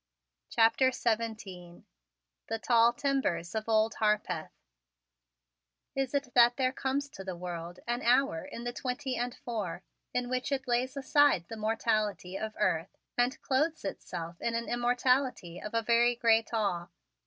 CHAPTER XVII THE TALL TIMBERS OF OLD HARPETH Is it that there comes to the world an hour in the twenty and four in which it lays aside the mortality of the earth and clothes itself in an immortality of a very great awe?